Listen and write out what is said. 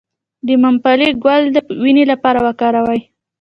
د ممپلی ګل د وینې لپاره وکاروئ